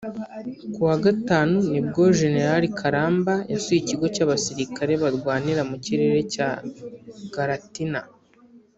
Ku wa Gatanu nibwo Gen Karamba yasuye Ikigo cy’abasirikare barwanira mu kirere cya Galatina